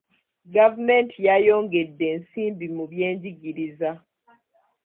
Gavumenti yayongedde ensimbi mu byenjigiriza.